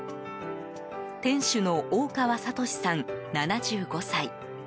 店主の大川智さん、７５歳。